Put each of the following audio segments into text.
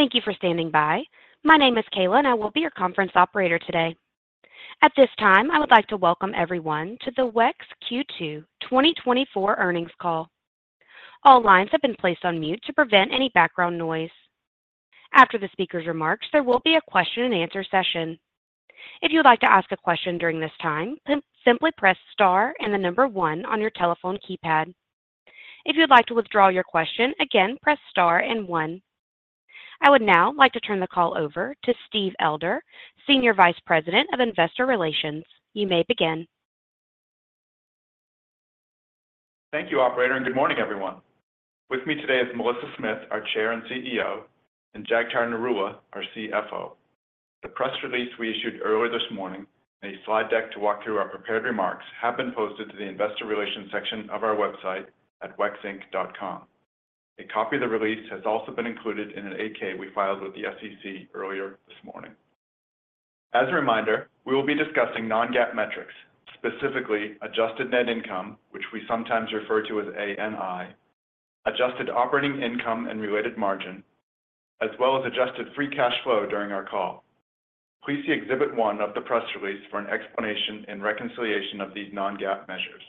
Thank you for standing by. My name is Kayla and I will be your conference operator today. At this time, I would like to welcome everyone to the WEX Q2 2024 earnings call. All lines have been placed on mute to prevent any background noise. After the speaker's remarks, there will be a question-and-answer session. If you would like to ask a question during this time, simply press star and the number one on your telephone keypad. If you'd like to withdraw your question again, press star and one. I would now like to turn the call over to Steve Elder, Senior Vice President of Investor Relations. You may begin. Thank you, operator, and good morning, everyone. With me today is Melissa Smith, our Chair and CEO, and Jagtar Narula, our CFO. The press release we issued earlier this morning, and a slide deck to walk through our prepared remarks have been posted to the investor relations section of our website at wexinc.com. A copy of the release has also been included in an 8-K we filed with the SEC earlier this morning. As a reminder, we will be discussing non-GAAP metrics, specifically adjusted net income, which we sometimes refer to as ANI, adjusted operating income and related margin, as well as adjusted free cash flow during our call. Please see Exhibit 1 of the press release for an explanation and reconciliation of these non-GAAP measures.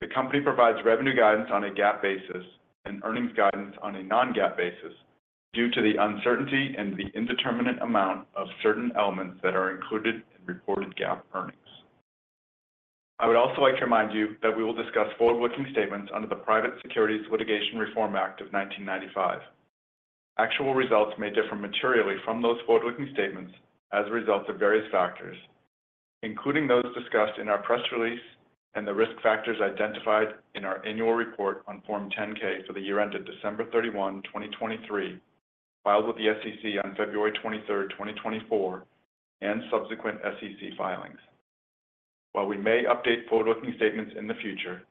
The company provides revenue guidance on a GAAP basis and earnings guidance on a non-GAAP basis due to the uncertainty and the indeterminate amount of certain elements that are included in reported GAAP earnings. I would also like to remind you that we will discuss forward-looking statements under the Private Securities Litigation Reform Act of 1995. Actual results may differ materially from those forward-looking statements as a result of various factors, including those discussed in our press release and the risk factors identified in our annual report on Form 10-K for the year ended December 31, 2023, filed with the SEC on February 23rd, 2024, and subsequent SEC filings. While we may update forward-looking statements in the future,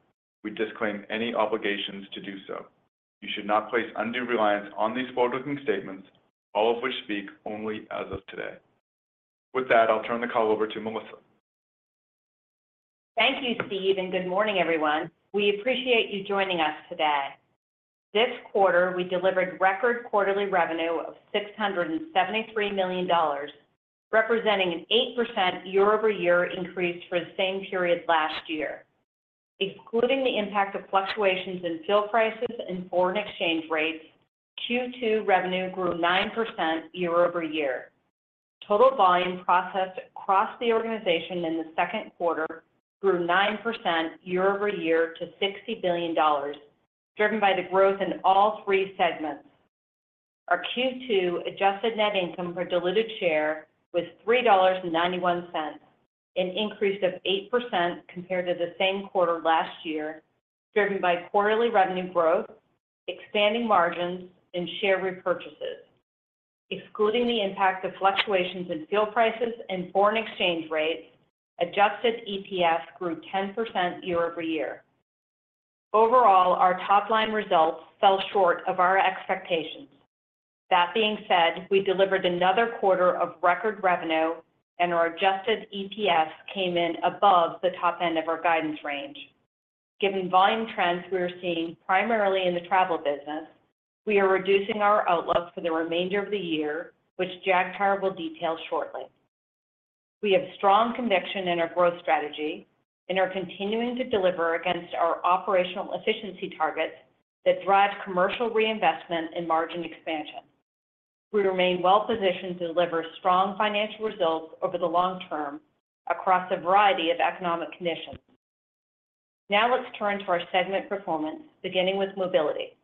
we disclaim any obligations to do so. You should not place undue reliance on these forward-looking statements, all of which speak only as of today. With that, I'll turn the call over to Melissa. Thank you, Steve, and good morning, everyone. We appreciate you joining us today. This quarter, we delivered record quarterly revenue of $673 million, representing an 8% year-over-year increase for the same period last year. Excluding the impact of fluctuations in fuel prices and foreign exchange rates, Q2 revenue grew 9% year-over-year. Total volume processed across the organization in the second quarter grew 9% year-over-year to $60 billion, driven by the growth in all three segments. Our Q2 adjusted net income per diluted share was $3.91, an increase of 8% compared to the same quarter last year, driven by quarterly revenue growth, expanding margins, and share repurchases. Excluding the impact of fluctuations in fuel prices and foreign exchange rates, adjusted EPS grew 10% year-over-year. Overall, our top-line results fell short of our expectations. That being said, we delivered another quarter of record revenue, and our adjusted EPS came in above the top end of our guidance range. Given volume trends we are seeing primarily in the travel business, we are reducing our outlook for the remainder of the year, which Jagtar will detail shortly. We have strong conviction in our growth strategy and are continuing to deliver against our operational efficiency targets that drive commercial reinvestment and margin expansion. We remain well positioned to deliver strong financial results over the long term across a variety of economic conditions. Now, let's turn to our segment performance, beginning with Mobility.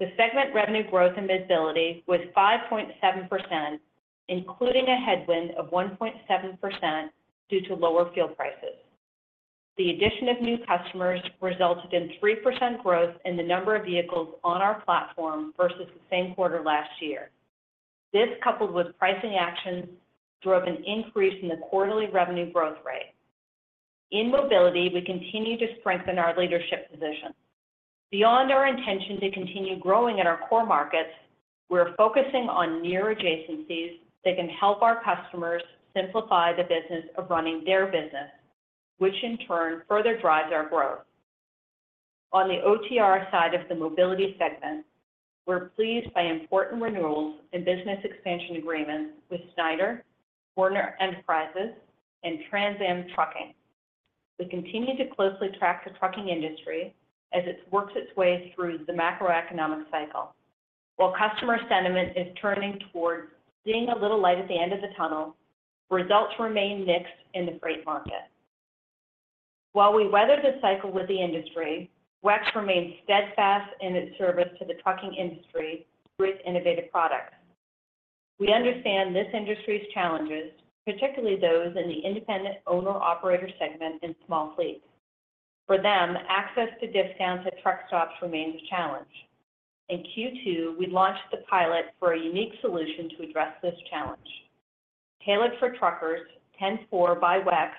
The segment revenue growth in Mobility was 5.7%, including a headwind of 1.7% due to lower fuel prices. The addition of new customers resulted in 3% growth in the number of vehicles on our platform versus the same quarter last year. This, coupled with pricing actions, drove an increase in the quarterly revenue growth rate. In Mobility, we continue to strengthen our leadership position. Beyond our intention to continue growing in our core markets, we are focusing on near adjacencies that can help our customers simplify the business of running their business, which in turn further drives our growth. On the OTR side of the Mobility segment, we're pleased by important renewals and business expansion agreements with Schneider, Werner Enterprises, and TransAm Trucking. We continue to closely track the trucking industry as it works its way through the macroeconomic cycle. While customer sentiment is turning towards seeing a little light at the end of the tunnel, results remain mixed in the freight market. While we weather the cycle with the industry, WEX remains steadfast in its service to the trucking industry with innovative products. We understand this industry's challenges, particularly those in the independent owner-operator segment and small fleets. For them, access to discounts at truck stops remains a challenge. In Q2, we launched the pilot for a unique solution to address this challenge. Tailored for truckers, 10-4 by WEX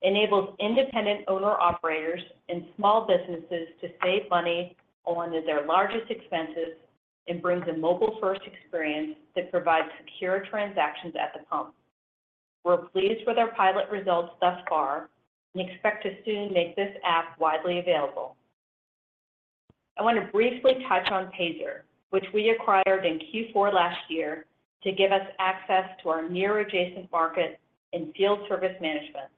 enables independent owner-operators and small businesses to save money on their largest expenses and brings a mobile-first experience that provides secure transactions at the pump. We're pleased with our pilot results thus far, and expect to soon make this app widely available. I want to briefly touch on Payzer, which we acquired in Q4 last year to give us access to our near adjacent market in field service management.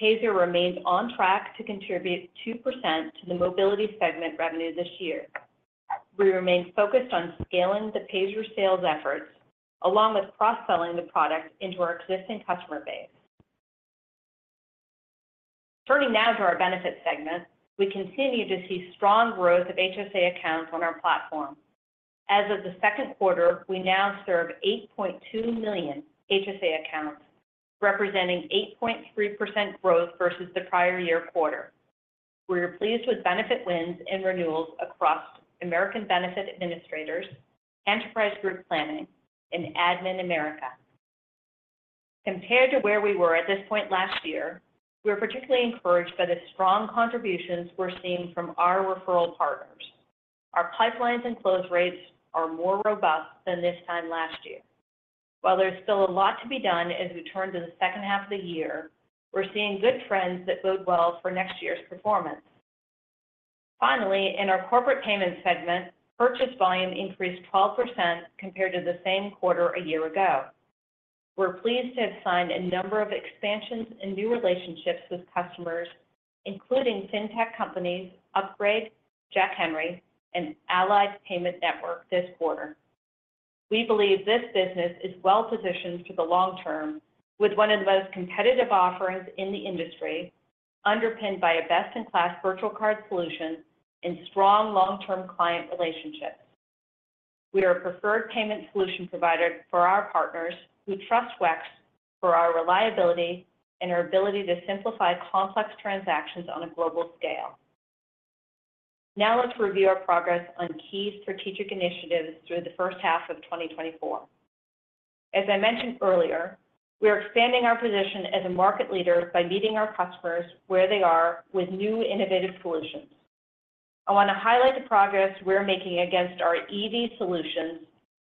Payzer remains on track to contribute 2% to the Mobility segment revenue this year. We remain focused on scaling the Payzer sales efforts, along with cross-selling the product into our existing customer base. Turning now to our Benefits segment, we continue to see strong growth of HSA accounts on our platform. As of the second quarter, we now serve 8.2 million HSA accounts, representing 8.3% growth versus the prior year quarter. We are pleased with benefit wins and renewals across American Benefit Administrators, Enterprise Group Planning, and Admin America. Compared to where we were at this point last year, we are particularly encouraged by the strong contributions we're seeing from our referral partners. Our pipelines and close rates are more robust than this time last year. While there's still a lot to be done as we turn to the second half of the year, we're seeing good trends that bode well for next year's performance. Finally, in our Corporate Payments segment, purchase volume increased 12% compared to the same quarter a year ago. We're pleased to have signed a number of expansions and new relationships with customers, including fintech companies, Upgrade, Jack Henry, and Allied Payment Network this quarter. We believe this business is well-positioned for the long term, with one of the most competitive offerings in the industry, underpinned by a best-in-class virtual card solution and strong long-term client relationships. We are a preferred payment solution provider for our partners, who trust WEX for our reliability and our ability to simplify complex transactions on a global scale. Now let's review our progress on key strategic initiatives through the first half of 2024. As I mentioned earlier, we are expanding our position as a market leader by meeting our customers where they are with new innovative solutions. I want to highlight the progress we're making against our EV solutions,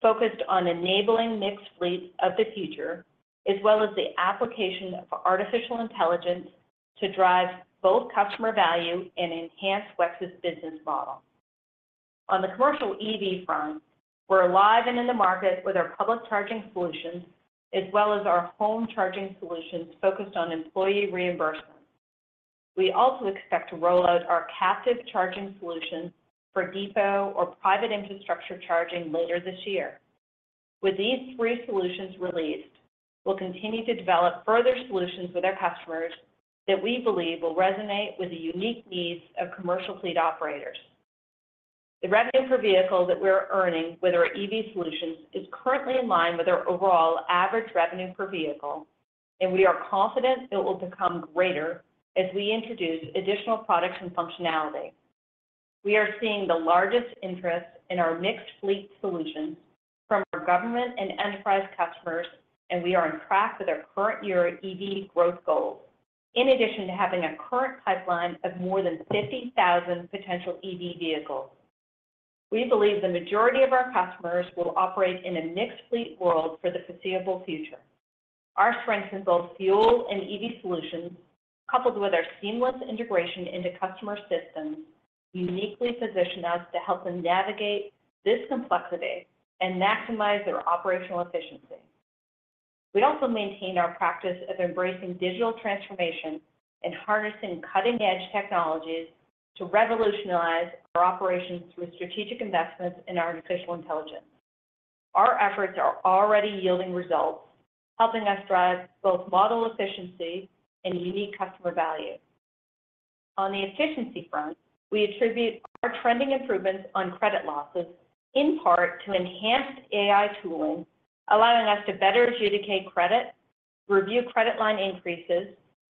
focused on enabling mixed fleet of the future, as well as the application of artificial intelligence to drive both customer value and enhance WEX's business model. On the commercial EV front, we're live and in the market with our public charging solutions, as well as our home charging solutions focused on employee reimbursement. We also expect to roll out our captive charging solution for depot or private infrastructure charging later this year. With these three solutions released, we'll continue to develop further solutions with our customers that we believe will resonate with the unique needs of commercial fleet operators. The revenue per vehicle that we're earning with our EV solutions is currently in line with our overall average revenue per vehicle, and we are confident it will become greater as we introduce additional products and functionality. We are seeing the largest interest in our mixed fleet solutions from our government and enterprise customers, and we are on track with our current year EV growth goals. In addition to having a current pipeline of more than 50,000 potential EV vehicles, we believe the majority of our customers will operate in a mixed fleet world for the foreseeable future. Our strengths in both fuel and EV solutions, coupled with our seamless integration into customer systems, uniquely position us to help them navigate this complexity and maximize their operational efficiency. We also maintain our practice of embracing digital transformation and harnessing cutting-edge technologies to revolutionize our operations through strategic investments in artificial intelligence. Our efforts are already yielding results, helping us drive both model efficiency and unique customer value. On the efficiency front, we attribute our trending improvements on credit losses in part to enhanced AI tooling, allowing us to better adjudicate credit, review credit line increases,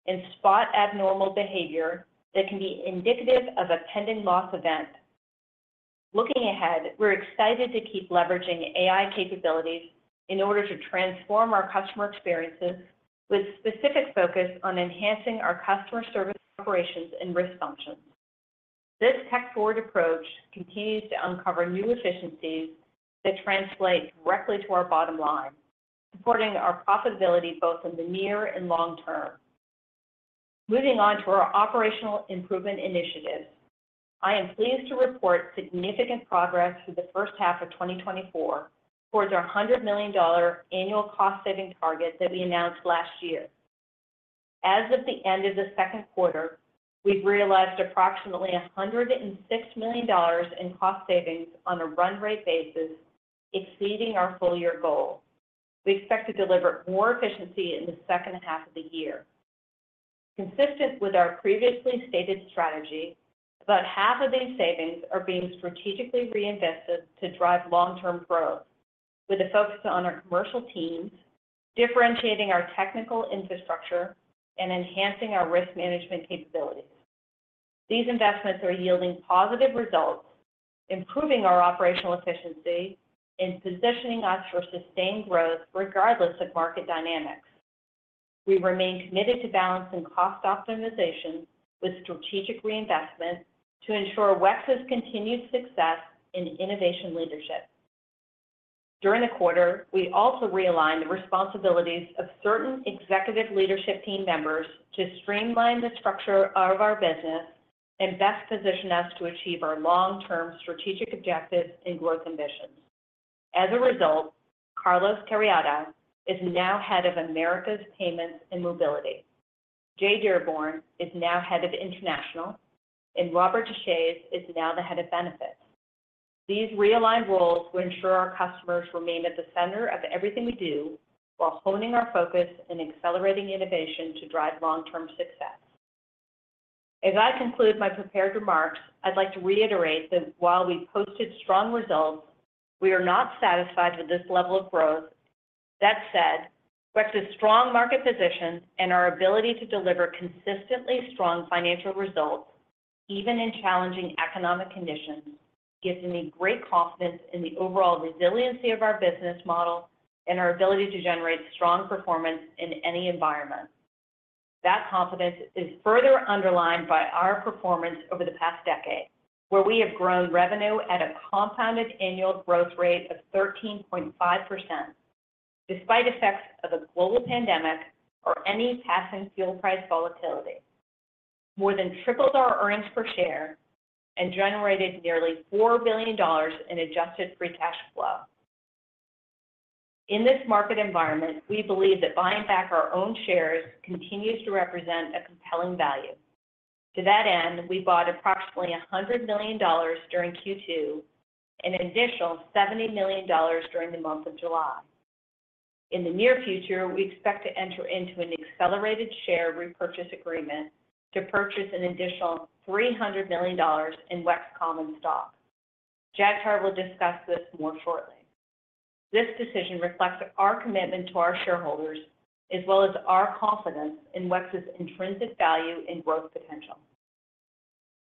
and spot abnormal behavior that can be indicative of a pending loss event. Looking ahead, we're excited to keep leveraging AI capabilities in order to transform our customer experiences with specific focus on enhancing our customer service operations and risk functions. This tech-forward approach continues to uncover new efficiencies that translate directly to our bottom line, supporting our profitability both in the near and long term. Moving on to our operational improvement initiatives, I am pleased to report significant progress through the first half of 2024 towards our $100 million annual cost saving target that we announced last year. As of the end of the second quarter, we've realized approximately $106 million in cost savings on a run rate basis, exceeding our full year goal. We expect to deliver more efficiency in the second half of the year. Consistent with our previously stated strategy, about half of these savings are being strategically reinvested to drive long-term growth with a focus on our commercial teams, differentiating our technical infrastructure and enhancing our risk management capabilities. These investments are yielding positive results, improving our operational efficiency and positioning us for sustained growth regardless of market dynamics. We remain committed to balancing cost optimization with strategic reinvestment to ensure WEX's continued success in innovation leadership. During the quarter, we also realigned the responsibilities of certain executive leadership team members to streamline the structure of our business and best position us to achieve our long-term strategic objectives and growth ambitions. As a result, Carlos Carriedo is now Head of Americas Payments and Mobility, Jay Dearborn is now Head of International, and Robert Deshaies is now the Head of Benefits. These realigned roles will ensure our customers remain at the center of everything we do, while honing our focus and accelerating innovation to drive long-term success. As I conclude my prepared remarks, I'd like to reiterate that while we posted strong results, we are not satisfied with this level of growth. That said, WEX's strong market position and our ability to deliver consistently strong financial results, even in challenging economic conditions, gives me great confidence in the overall resiliency of our business model and our ability to generate strong performance in any environment. That confidence is further underlined by our performance over the past decade, where we have grown revenue at a compound annual growth rate of 13.5%, despite effects of a global pandemic or any passing fuel price volatility. More than tripled our earnings per share and generated nearly $4 billion in adjusted free cash flow. In this market environment, we believe that buying back our own shares continues to represent a compelling value. To that end, we bought approximately $100 million during Q2 and an additional $70 million during the month of July. In the near future, we expect to enter into an accelerated share repurchase agreement to purchase an additional $300 million in WEX common stock. Jagtar will discuss this more shortly. This decision reflects our commitment to our shareholders, as well as our confidence in WEX's intrinsic value and growth potential.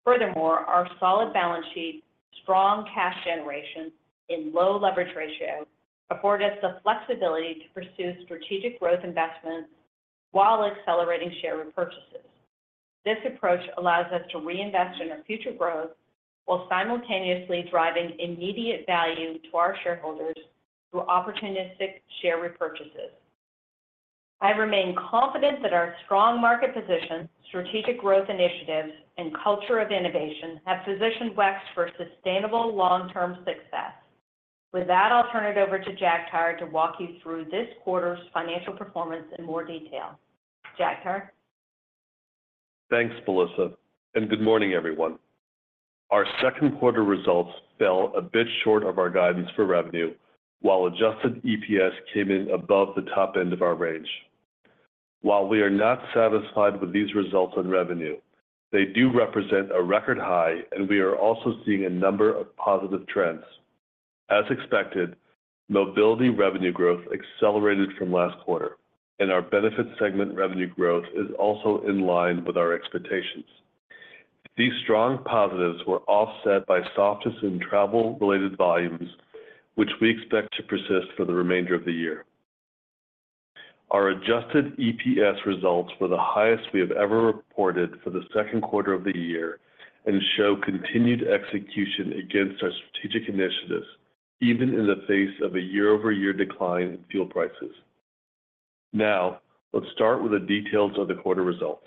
Furthermore, our solid balance sheet, strong cash generation, and low leverage ratio afford us the flexibility to pursue strategic growth investments while accelerating share repurchases. This approach allows us to reinvest in our future growth while simultaneously driving immediate value to our shareholders through opportunistic share repurchases. I remain confident that our strong market position, strategic growth initiatives, and culture of innovation have positioned WEX for sustainable long-term success. With that, I'll turn it over to Jagtar to walk you through this quarter's financial performance in more detail. Jagtar? Thanks, Melissa, and good morning, everyone. Our second quarter results fell a bit short of our guidance for revenue, while adjusted EPS came in above the top end of our range. While we are not satisfied with these results on revenue, they do represent a record high, and we are also seeing a number of positive trends. As expected, Mobility revenue growth accelerated from last quarter, and our benefit segment revenue growth is also in line with our expectations. These strong positives were offset by softness in travel-related volumes, which we expect to persist for the remainder of the year. Our adjusted EPS results were the highest we have ever reported for the second quarter of the year and show continued execution against our strategic initiatives, even in the face of a year-over-year decline in fuel prices. Now, let's start with the details of the quarter results.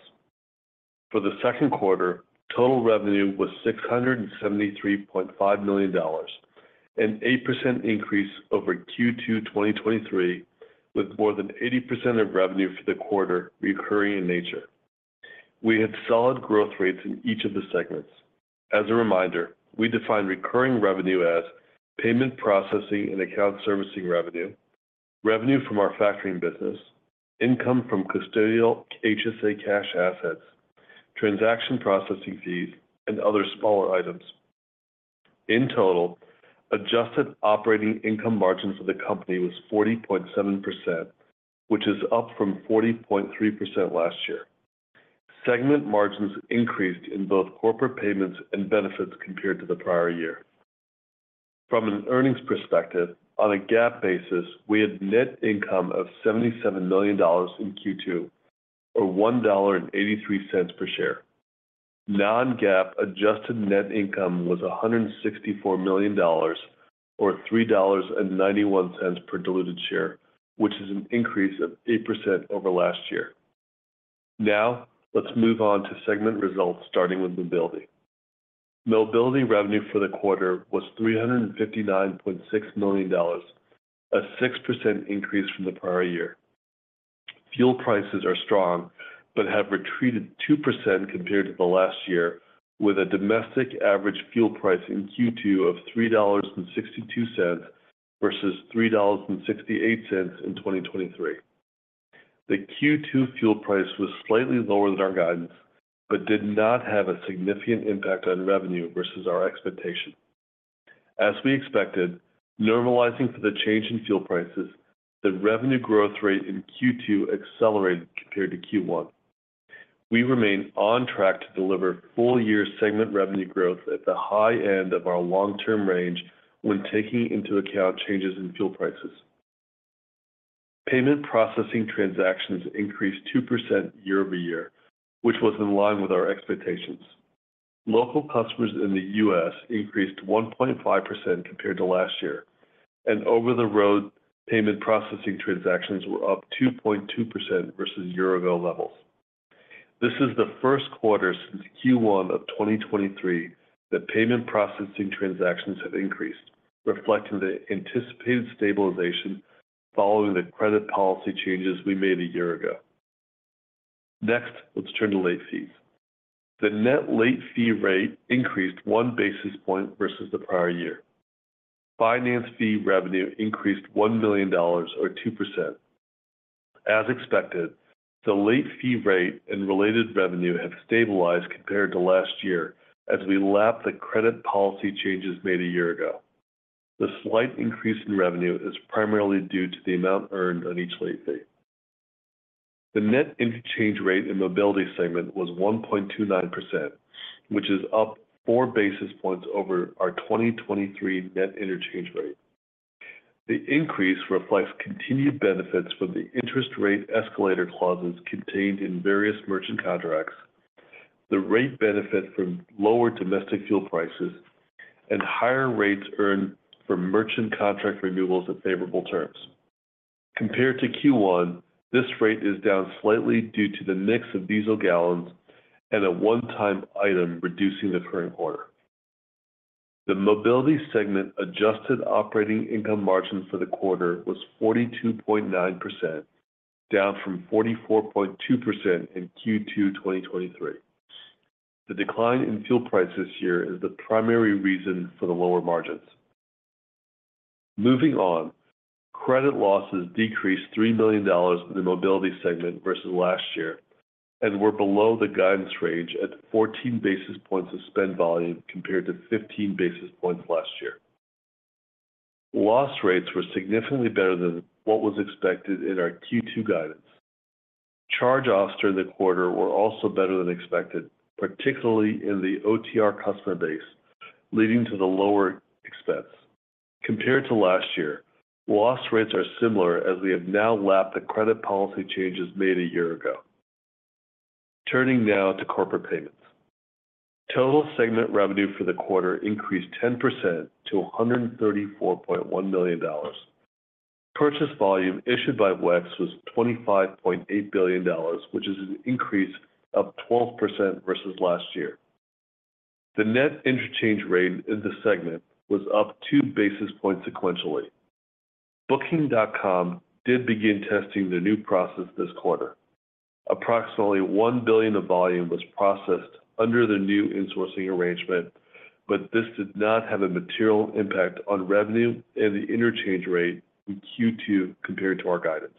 For the second quarter, total revenue was $673.5 million, an 8% increase over Q2 2023, with more than 80% of revenue for the quarter recurring in nature. We had solid growth rates in each of the segments. As a reminder, we define recurring revenue as payment processing and account servicing revenue, revenue from our factoring business, income from custodial HSA cash assets, transaction processing fees, and other smaller items. In total, adjusted operating income margins for the company was 40.7%, which is up from 40.3% last year. Segment margins increased in both Corporate Payments and Benefits compared to the prior year. From an earnings perspective, on a GAAP basis, we had net income of $77 million in Q2, or $1.83 per share. Non-GAAP adjusted net income was $164 million, or $3.91 per diluted share, which is an increase of 8% over last year. Now, let's move on to segment results, starting with Mobility. Mobility revenue for the quarter was $359.6 million, a 6% increase from the prior year. Fuel prices are strong, but have retreated 2% compared to the last year, with a domestic average fuel price in Q2 of $3.62 versus $3.68 in 2023. The Q2 fuel price was slightly lower than our guidance, but did not have a significant impact on revenue versus our expectation. As we expected, normalizing for the change in fuel prices, the revenue growth rate in Q2 accelerated compared to Q1.... We remain on track to deliver full-year segment revenue growth at the high end of our long-term range when taking into account changes in fuel prices. Payment processing transactions increased 2% year-over-year, which was in line with our expectations. Local customers in the US increased 1.5% compared to last year, and over-the-road payment processing transactions were up 2.2% versus year-ago levels. This is the first quarter since Q1 of 2023 that payment processing transactions have increased, reflecting the anticipated stabilization following the credit policy changes we made a year ago. Next, let's turn to late fees. The net late fee rate increased one basis point versus the prior year. Finance fee revenue increased $1 million, or 2%. As expected, the late fee rate and related revenue have stabilized compared to last year as we lap the credit policy changes made a year ago. The slight increase in revenue is primarily due to the amount earned on each late fee. The net interchange rate in Mobility segment was 1.29%, which is up four basis points over our 2023 net interchange rate. The increase reflects continued benefits from the interest rate escalator clauses contained in various merchant contracts, the rate benefit from lower domestic fuel prices, and higher rates earned from merchant contract renewals at favorable terms. Compared to Q1, this rate is down slightly due to the mix of diesel gallons and a one-time item reducing the current quarter. The Mobility segment adjusted operating income margin for the quarter was 42.9%, down from 44.2% in Q2 2023. The decline in fuel price this year is the primary reason for the lower margins. Moving on, credit losses decreased $3 million in the Mobility segment versus last year, and were below the guidance range at 14 basis points of spend volume compared to 15 basis points last year. Loss rates were significantly better than what was expected in our Q2 guidance. Charge-offs during the quarter were also better than expected, particularly in the OTR customer base, leading to the lower expense. Compared to last year, loss rates are similar as we have now lapped the credit policy changes made a year ago. Turning now to Corporate Payments. Total segment revenue for the quarter increased 10% to $134.1 million. Purchase volume issued by WEX was $25.8 billion, which is an increase of 12% versus last year. The net interchange rate in the segment was up 2 basis points sequentially. Booking.com did begin testing the new process this quarter. Approximately $1 billion of volume was processed under the new insourcing arrangement, but this did not have a material impact on revenue and the interchange rate in Q2 compared to our guidance.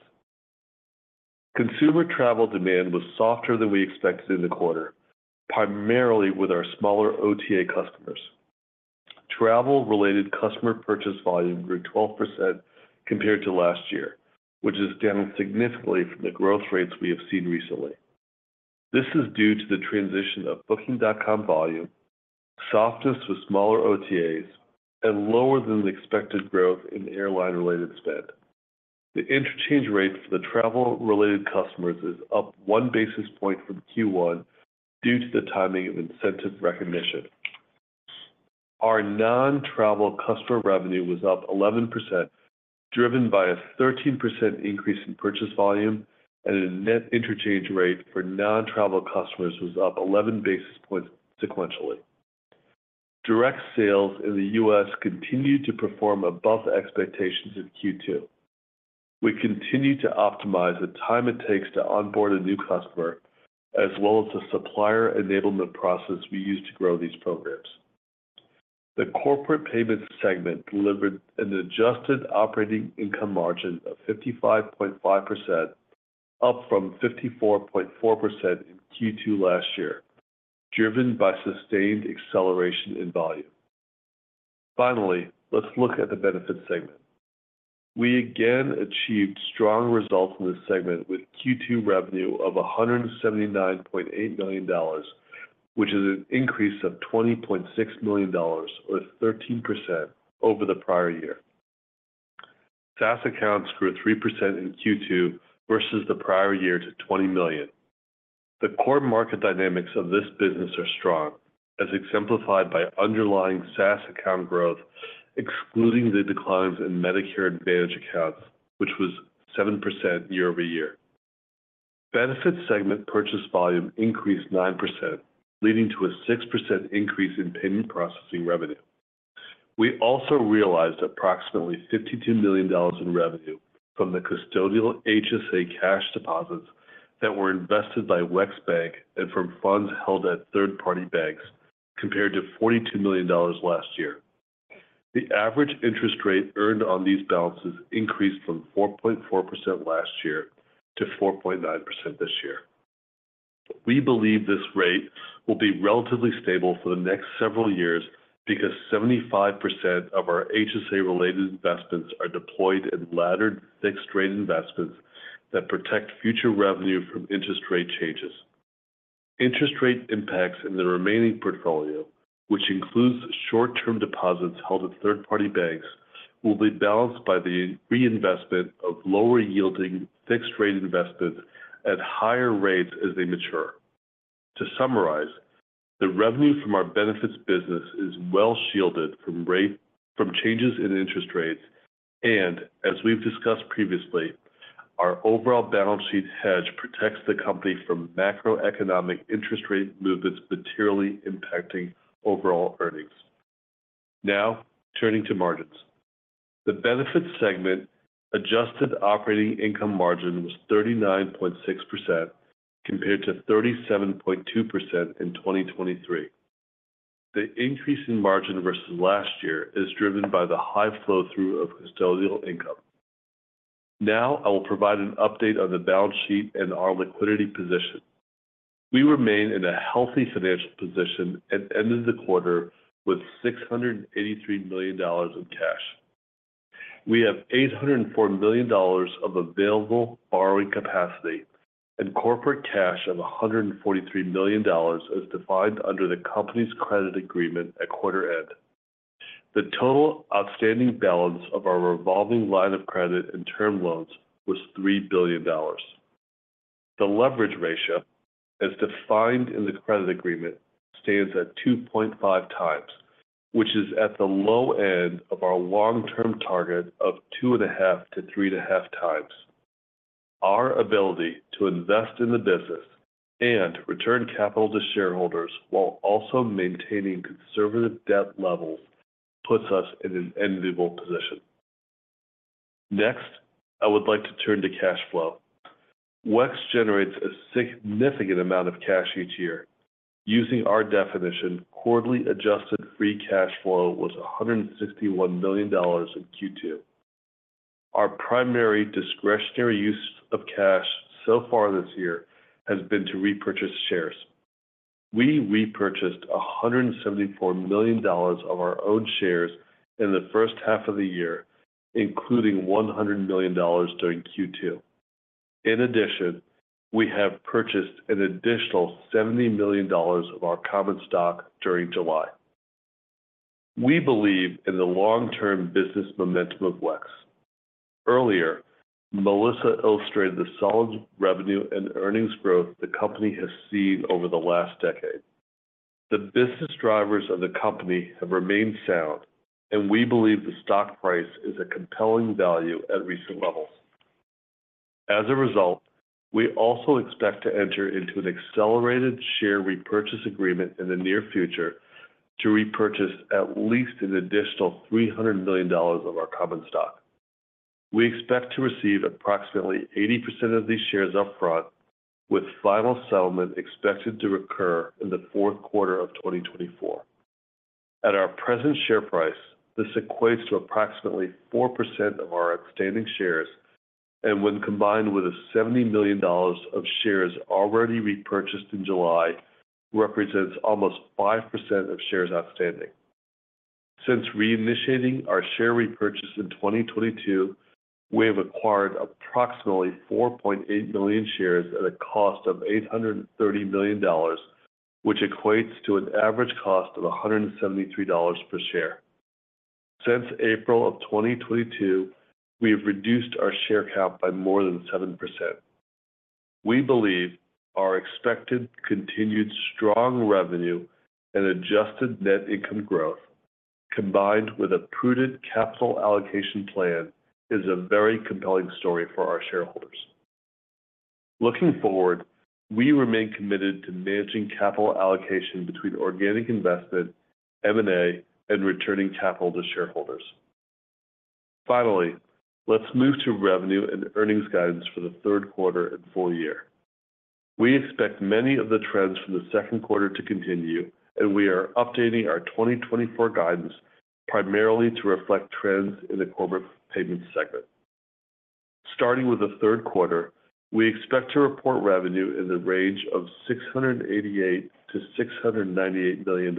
Consumer travel demand was softer than we expected in the quarter, primarily with our smaller OTA customers. Travel-related customer purchase volume grew 12% compared to last year, which is down significantly from the growth rates we have seen recently. This is due to the transition of Booking.com volume, softness with smaller OTAs, and lower than the expected growth in airline-related spend. The interchange rate for the travel-related customers is up 1 basis point from Q1 due to the timing of incentive recognition. Our non-travel customer revenue was up 11%, driven by a 13% increase in purchase volume, and a net interchange rate for non-travel customers was up 11 basis points sequentially. Direct sales in the U.S. continued to perform above expectations in Q2. We continue to optimize the time it takes to onboard a new customer, as well as the supplier enablement process we use to grow these programs. The Corporate Payments segment delivered an adjusted operating income margin of 55.5%, up from 54.4% in Q2 last year, driven by sustained acceleration in volume. Finally, let's look at the Benefits segment. We again achieved strong results in this segment with Q2 revenue of $179.8 million, which is an increase of $20.6 million or 13% over the prior year. SaaS accounts grew 3% in Q2 versus the prior year to 20 million. The core market dynamics of this business are strong, as exemplified by underlying SaaS account growth, excluding the declines in Medicare Advantage accounts, which was 7% year-over-year. Benefits segment purchase volume increased 9%, leading to a 6% increase in payment processing revenue. We also realized approximately $52 million in revenue from the custodial HSA cash deposits that were invested by WEX Bank and from funds held at third-party banks, compared to $42 million last year. The average interest rate earned on these balances increased from 4.4% last year to 4.9% this year. We believe this rate will be relatively stable for the next several years because 75% of our HSA-related investments are deployed in laddered fixed rate investments that protect future revenue from interest rate changes. Interest rate impacts in the remaining portfolio, which includes short-term deposits held at third-party banks, will be balanced by the reinvestment of lower-yielding fixed-rate investments at higher rates as they mature. To summarize, the revenue from our Benefits business is well-shielded from changes in interest rates, and as we've discussed previously, our overall balance sheet hedge protects the company from macroeconomic interest rate movements materially impacting overall earnings. Now, turning to margins. The Benefits segment adjusted operating income margin was 39.6%, compared to 37.2% in 2023. The increase in margin versus last year is driven by the high flow-through of custodial income. Now, I will provide an update on the balance sheet and our liquidity position. We remain in a healthy financial position and ended the quarter with $683 million in cash. We have $804 million of available borrowing capacity and corporate cash of $143 million, as defined under the company's credit agreement at quarter end. The total outstanding balance of our revolving line of credit and term loans was $3 billion. The leverage ratio, as defined in the credit agreement, stands at 2.5x, which is at the low end of our long-term target of 2.5x-3.5x. Our ability to invest in the business and return capital to shareholders while also maintaining conservative debt levels, puts us in an enviable position. Next, I would like to turn to cash flow. WEX generates a significant amount of cash each year. Using our definition, quarterly adjusted free cash flow was $161 million in Q2. Our primary discretionary use of cash so far this year has been to repurchase shares. We repurchased $174 million of our own shares in the first half of the year, including $100 million during Q2. In addition, we have purchased an additional $70 million of our common stock during July. We believe in the long-term business momentum of WEX. Earlier, Melissa illustrated the solid revenue and earnings growth the company has seen over the last decade. The business drivers of the company have remained sound, and we believe the stock price is a compelling value at recent levels. As a result, we also expect to enter into an accelerated share repurchase agreement in the near future to repurchase at least an additional $300 million of our common stock. We expect to receive approximately 80% of these shares upfront, with final settlement expected to occur in the fourth quarter of 2024. At our present share price, this equates to approximately 4% of our outstanding shares, and when combined with the $70 million of shares already repurchased in July, represents almost 5% of shares outstanding. Since reinitiating our share repurchase in 2022, we have acquired approximately 4.8 million shares at a cost of $830 million, which equates to an average cost of $173 per share. Since April 2022, we have reduced our share count by more than 7%. We believe our expected continued strong revenue and adjusted net income growth, combined with a prudent capital allocation plan, is a very compelling story for our shareholders. Looking forward, we remain committed to managing capital allocation between organic investment, M&A, and returning capital to shareholders. Finally, let's move to revenue and earnings guidance for the third quarter and full year. We expect many of the trends from the second quarter to continue, and we are updating our 2024 guidance primarily to reflect trends in the Corporate Payments segment. Starting with the third quarter, we expect to report revenue in the range of $688 million-$698 million.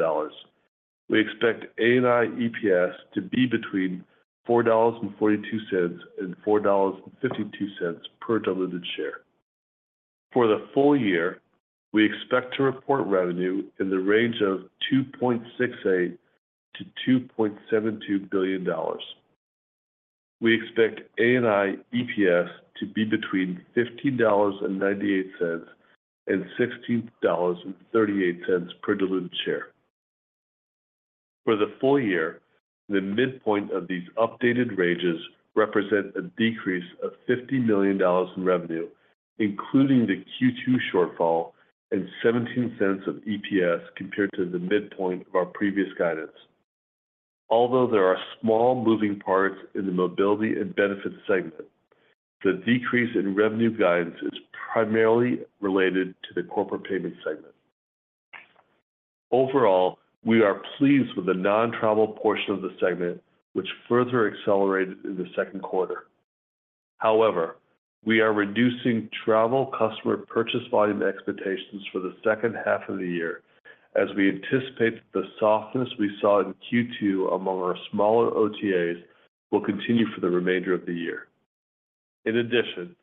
We expect ANI EPS to be between $4.42 and $4.52 per diluted share. For the full year, we expect to report revenue in the range of $2.68 billion-$2.72 billion. We expect ANI EPS to be between $15.98 and $16.38 per diluted share. For the full year, the midpoint of these updated ranges represent a decrease of $50 million in revenue, including the Q2 shortfall and $0.17 of EPS compared to the midpoint of our previous guidance. Although there are small moving parts in the Mobility and Benefits segment, the decrease in revenue guidance is primarily related to the Corporate Payment segment. Overall, we are pleased with the non-travel portion of the segment, which further accelerated in the second quarter. However, we are reducing travel customer purchase volume expectations for the second half of the year, as we anticipate the softness we saw in Q2 among our smaller OTAs will continue for the remainder of the year. In addition,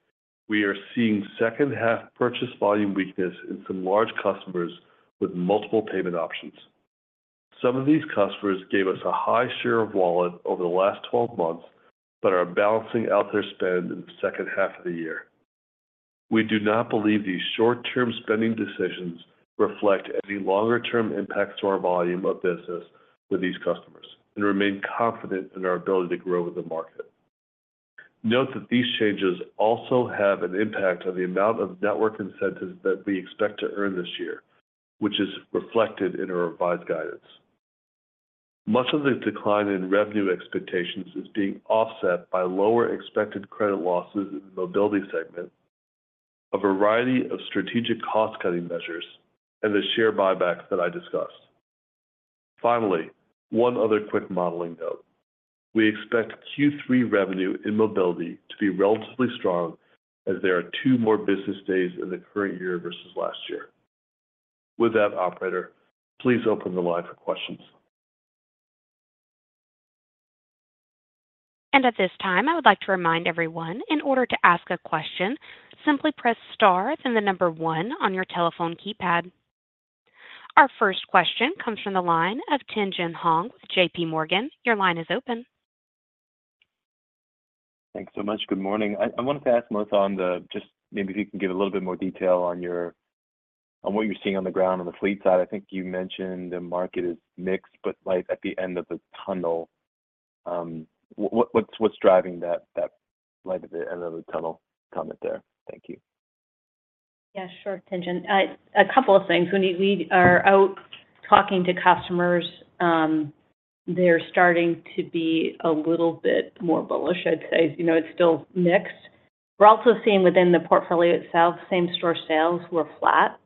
we are seeing second half purchase volume weakness in some large customers with multiple payment options. Some of these customers gave us a high share of wallet over the last 12 months, but are balancing out their spend in the second half of the year. We do not believe these short-term spending decisions reflect any longer-term impacts to our volume of business with these customers and remain confident in our ability to grow with the market. Note that these changes also have an impact on the amount of network incentives that we expect to earn this year, which is reflected in our revised guidance. Much of the decline in revenue expectations is being offset by lower expected credit losses in the Mobility segment, a variety of strategic cost-cutting measures, and the share buybacks that I discussed. Finally, one other quick modeling note: We expect Q3 revenue in Mobility to be relatively strong, as there are two more business days in the current year versus last year. With that, operator, please open the line for questions. At this time, I would like to remind everyone, in order to ask a question, simply press star, then the number one on your telephone keypad. Our first question comes from the line of Tien-Tsin Huang with JPMorgan. Your line is open. Thanks so much. Good morning. I wanted to ask Melissa on the—just maybe if you can give a little bit more detail on your, on what you're seeing on the ground on the fleet side. I think you mentioned the market is mixed, but light at the end of the tunnel. What's driving that light at the end of the tunnel comment there? Thank you. Yeah, sure, Tien-Tsin. A couple of things. When we are out talking to customers, they're starting to be a little bit more bullish, I'd say. You know, it's still mixed. We're also seeing within the portfolio itself, same-store sales were flat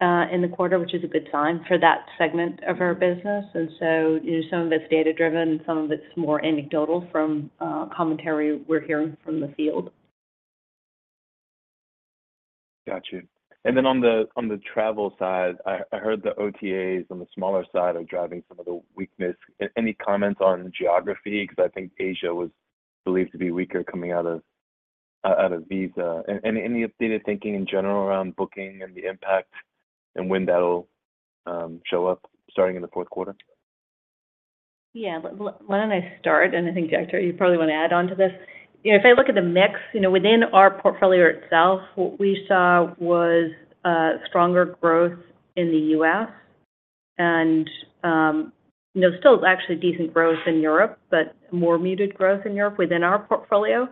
in the quarter, which is a good sign for that segment of our business. And so, you know, some of it's data-driven, some of it's more anecdotal from commentary we're hearing from the field. Got you. And then on the, on the travel side, I heard the OTAs on the smaller side are driving some of the weakness. Any comments on geography? Because I think Asia was believed to be weaker coming out of Visa. And any updated thinking in general around Booking and the impact and when that'll show up, starting in the fourth quarter? Yeah. Why don't I start? I think, Jagtar, you probably want to add on to this. You know, if I look at the mix, you know, within our portfolio itself, what we saw was stronger growth in the U.S. and, you know, still actually decent growth in Europe, but more muted growth in Europe within our portfolio.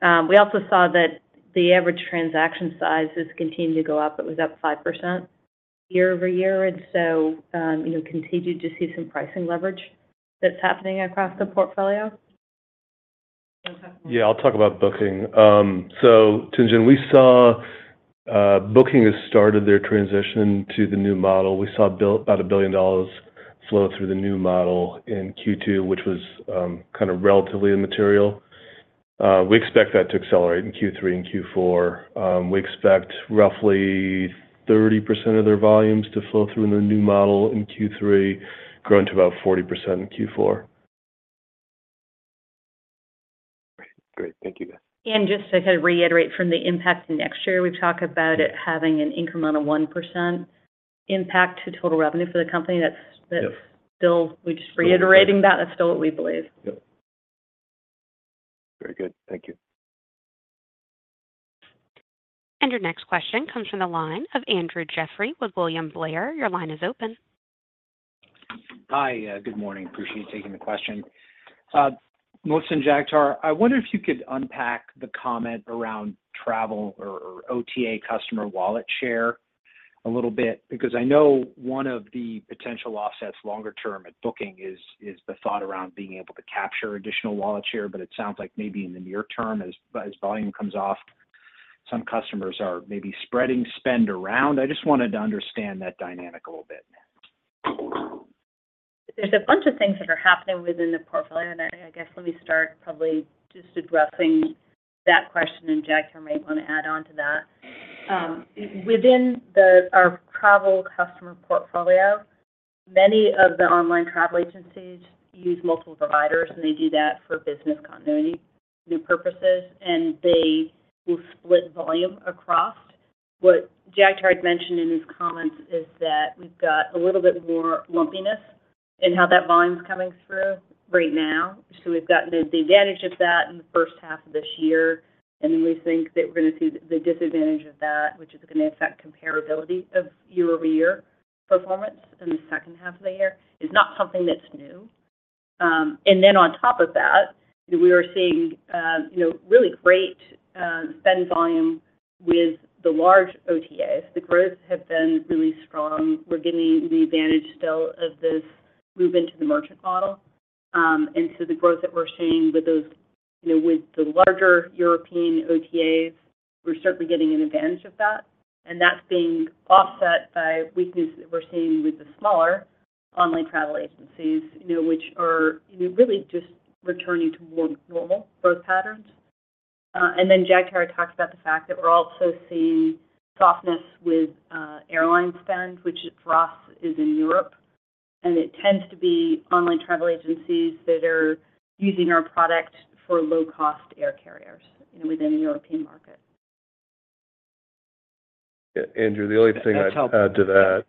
We also saw that the average transaction sizes continued to go up. It was up 5% year-over-year, and so, you know, continued to see some pricing leverage that's happening across the portfolio. Yeah, I'll talk about Booking. So Tien-Tsin, we saw, Booking has started their transition to the new model. We saw about $1 billion flow through the new model in Q2, which was, kind of relatively immaterial. We expect that to accelerate in Q3 and Q4. We expect roughly 30% of their volumes to flow through in the new model in Q3, growing to about 40% in Q4. Great. Great. Thank you, guys. Just to kind of reiterate from the impact next year, we've talked about it having an incremental 1% impact to total revenue for the company. Yes. That's still, we're just reiterating that. That's still what we believe. Yep. Very good. Thank you. Your next question comes from the line of Andrew Jeffrey with William Blair. Your line is open. Hi, good morning. Appreciate you taking the question. Melissa and Jagtar, I wonder if you could unpack the comment around travel or, or OTA customer wallet share a little bit, because I know one of the potential offsets longer term at Booking is, is the thought around being able to capture additional wallet share, but it sounds like maybe in the near term, as, as volume comes off, some customers are maybe spreading spend around. I just wanted to understand that dynamic a little bit. There's a bunch of things that are happening within the portfolio, and I guess, let me start probably just addressing that question, and Jagtar may want to add on to that. Within our travel customer portfolio, many of the online travel agencies use multiple providers, and they do that for business continuity purposes, and they will split volume across. What Jagtar had mentioned in his comments is that we've got a little bit more lumpiness in how that volume's coming through right now. So we've gotten the advantage of that in the first half of this year, and then we think that we're going to see the disadvantage of that, which is going to affect comparability of year-over-year performance in the second half of the year. It's not something that's new. And then on top of that, we are seeing, you know, really great spend volume with the large OTAs. The growth have been really strong. We're getting the advantage still of this move into the merchant model. And so the growth that we're seeing with those, you know, with the larger European OTAs, we're certainly getting an advantage of that, and that's being offset by weakness that we're seeing with the smaller online travel agencies, you know, which are really just returning to more normal growth patterns. And then Jagtar talked about the fact that we're also seeing softness with airline spend, which for us is in Europe, and it tends to be online travel agencies that are using our product for low-cost air carriers, you know, within the European market. Andrew, the only thing I'd add to that.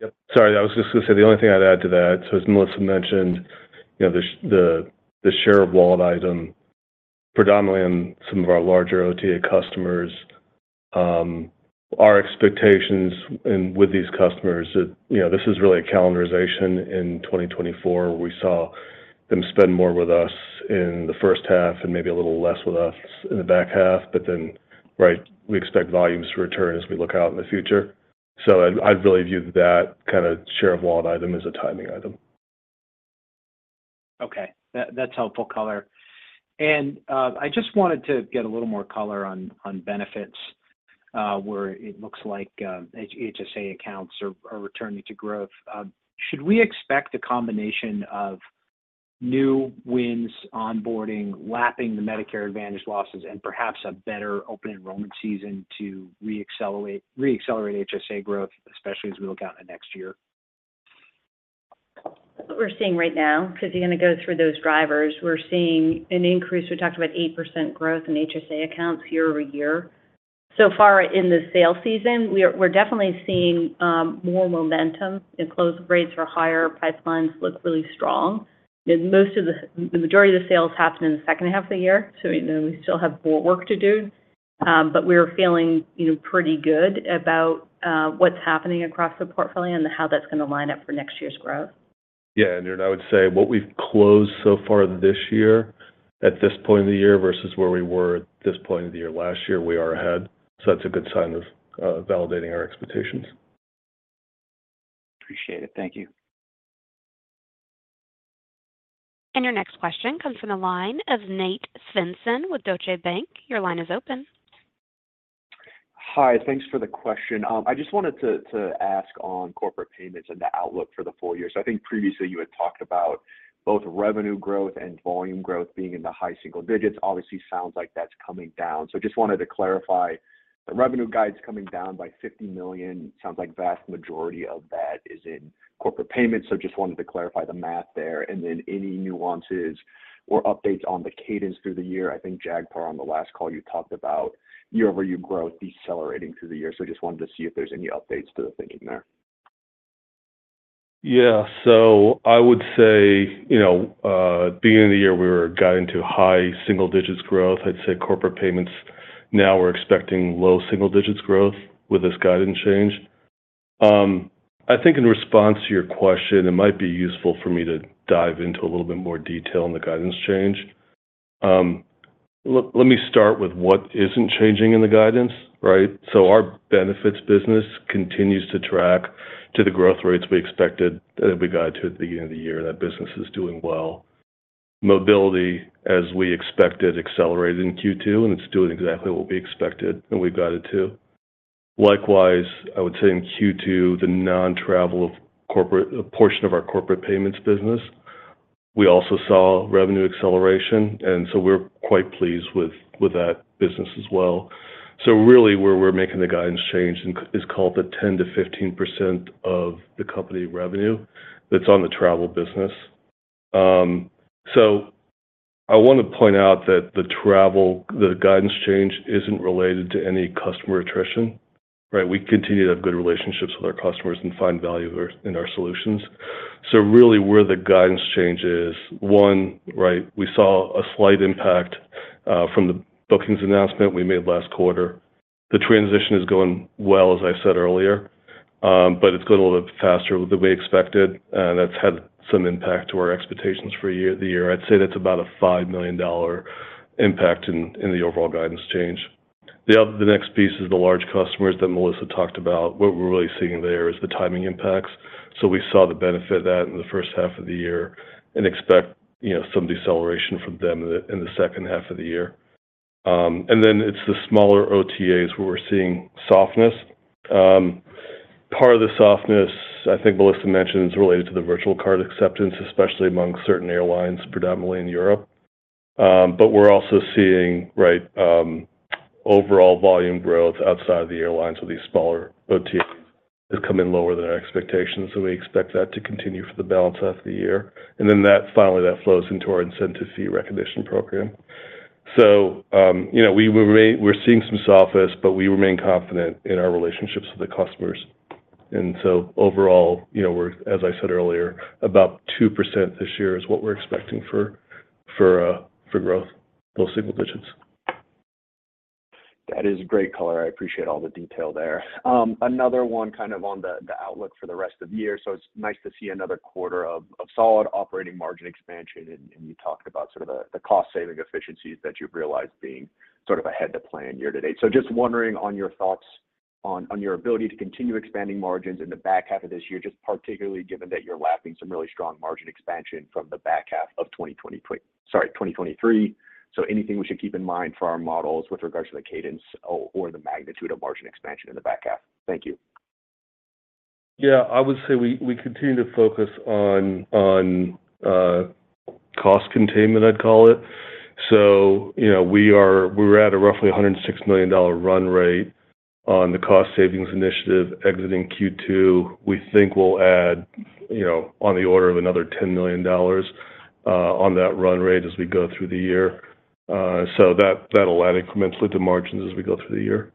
Yep, sorry, I was just gonna say, the only thing I'd add to that, so as Melissa mentioned, you know, the share of wallet item, predominantly in some of our larger OTA customers, our expectations and with these customers that, you know, this is really a calendarization in 2024. We saw them spend more with us in the first half and maybe a little less with us in the back half. But then, right, we expect volumes to return as we look out in the future. So I'd really view that kinda share of wallet item as a timing item. Okay, that's helpful color. I just wanted to get a little more color on Benefits, where it looks like HSA accounts are returning to growth. Should we expect a combination of new wins, onboarding, lapping the Medicare Advantage losses, and perhaps a better open enrollment season to reaccelerate HSA growth, especially as we look out in the next year? What we're seeing right now, 'cause you're gonna go through those drivers, we're seeing an increase. We talked about 8% growth in HSA accounts year-over-year. So far in the sales season, we're definitely seeing more momentum and close rates for higher pipelines look really strong. And most of the majority of the sales happen in the second half of the year, so, you know, we still have more work to do. But we're feeling, you know, pretty good about what's happening across the portfolio and how that's gonna line up for next year's growth. Yeah, and I would say what we've closed so far this year, at this point of the year versus where we were at this point of the year last year, we are ahead. So that's a good sign of validating our expectations. Appreciate it. Thank you. Your next question comes from the line of Nate Svensson with Deutsche Bank. Your line is open. Hi, thanks for the question. I just wanted to ask on Corporate Payments and the outlook for the full year. So I think previously you had talked about both revenue growth and volume growth being in the high single digits. Obviously, sounds like that's coming down. So just wanted to clarify, the revenue guide's coming down by $50 million. Sounds like vast majority of that is in Corporate Payments, so just wanted to clarify the math there, and then any nuances or updates on the cadence through the year. I think Jagtar, on the last call, you talked about year-over-year growth decelerating through the year. So just wanted to see if there's any updates to the thinking there. Yeah. So I would say, you know, beginning of the year, we were guiding to high single-digits growth. I'd say Corporate Payments now we're expecting low single digits growth with this guidance change. I think in response to your question, it might be useful for me to dive into a little bit more detail on the guidance change. Let me start with what isn't changing in the guidance, right? So our Benefits business continues to track to the growth rates we expected, that we guide to at the end of the year. That business is doing well. Mobility, as we expected, accelerated in Q2, and it's doing exactly what we expected, and we've guided to. Likewise, I would say in Q2, the non-travel of corporate—a portion of our Corporate Payments business, we also saw revenue acceleration, and so we're quite pleased with that business as well. So really, where we're making the guidance change is called the 10%-15% of the company revenue that's on the travel business. So I want to point out that the travel, the guidance change isn't related to any customer attrition, right? We continue to have good relationships with our customers and find value in our solutions. So really, where the guidance change is, one, right, we saw a slight impact from the Booking.com announcement we made last quarter. The transition is going well, as I said earlier, but it's gone a little faster than we expected, and that's had some impact to our expectations for the year. I'd say that's about a $5 million impact in the overall guidance change. The other the next piece is the large customers that Melissa talked about. What we're really seeing there is the timing impacts. So we saw the benefit of that in the first half of the year and expect, you know, some deceleration from them in the second half of the year. And then it's the smaller OTAs where we're seeing softness. Part of the softness, I think Melissa mentioned, is related to the virtual card acceptance, especially among certain airlines, predominantly in Europe. But we're also seeing, right, overall volume growth outside of the airlines with these smaller OTAs to come in lower than our expectations. So we expect that to continue for the balance of the year. And then that, finally, that flows into our incentive fee recognition program. So, you know, we're seeing some softness, but we remain confident in our relationships with the customers. And so overall, you know, we're, as I said earlier, about 2% this year is what we're expecting for growth, low single digits. That is great color. I appreciate all the detail there. Another one kind of on the outlook for the rest of the year. So it's nice to see another quarter of solid operating margin expansion, and you talked about sort of the cost-saving efficiencies that you've realized being sort of ahead to plan year-to-date. So just wondering on your thoughts on your ability to continue expanding margins in the back half of this year, just particularly given that you're lapping some really strong margin expansion from the back half of 2023. So anything we should keep in mind for our models with regards to the cadence or the magnitude of margin expansion in the back half? Thank you. Yeah. I would say we continue to focus on cost containment, I'd call it. So, you know, we're at a roughly $106 million run rate on the cost savings initiative exiting Q2. We think we'll add, you know, on the order of another $10 million on that run rate as we go through the year. So that'll add incrementally to margins as we go through the year.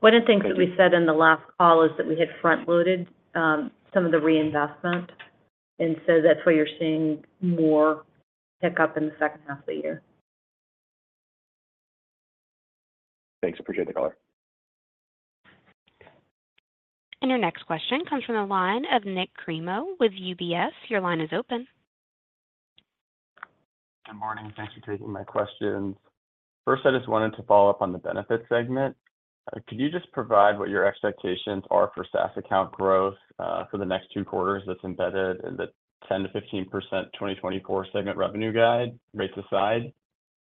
One of the things that we said in the last call is that we had front-loaded some of the reinvestment, and so that's why you're seeing more pickup in the second half of the year. Thanks. Appreciate the call. Your next question comes from the line of Nik Cremo with UBS. Your line is open. Good morning. Thanks for taking my questions. First, I just wanted to follow up on the Benefits segment. Could you just provide what your expectations are for SaaS account growth for the next two quarters that's embedded in the 10%-15% 2024 segment revenue guide, rates aside?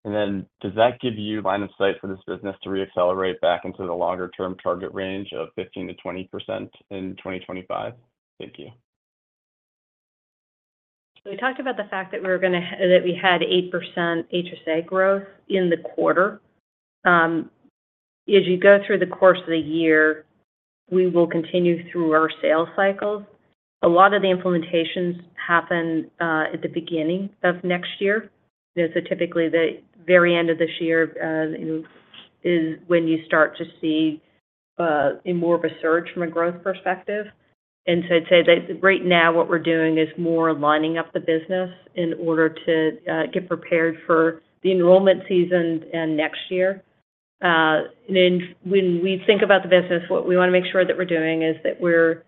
And then, does that give you line of sight for this business to reaccelerate back into the longer-term target range of 15%-20% in 2025? Thank you. We talked about the fact that we had 8% HSA growth in the quarter. As you go through the course of the year, we will continue through our sales cycles. A lot of the implementations happen at the beginning of next year. So typically, the very end of this year is when you start to see in more of a surge from a growth perspective. And so I'd say that right now, what we're doing is more lining up the business in order to get prepared for the enrollment season and next year. And then when we think about the business, what we wanna make sure that we're doing is that we're